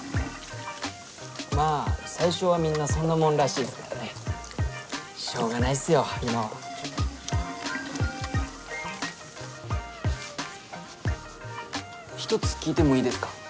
まぁ最初はみんなそんなもんらしいっすからねしょうがないっすよ今は１つ聞いてもいいですか？